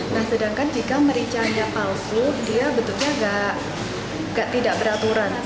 nah sedangkan jika mericanya palsu dia bentuknya tidak beraturan